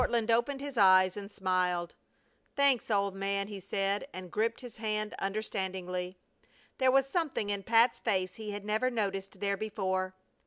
Courtland opened his eyes and smiled. "Thanks, old man," he said, and gripped his hand understandingly. There was something in Pat's face he had never noticed there before.